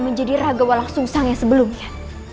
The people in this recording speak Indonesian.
menjadi raga walang susang yang sebelumnya